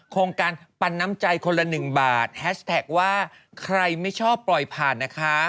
โครงการปันน้ำใจคนละ๑บาทแฮชแท็กว่าใครไม่ชอบปล่อยผ่านนะคะ